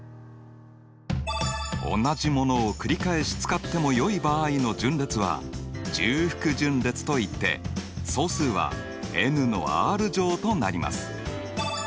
同じものを繰り返し使ってもよい場合の順列は重複順列といって総数はｎのｒ乗となります。